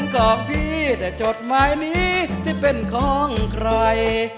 กรอบที่แต่จดหมายนี้จะเป็นของใคร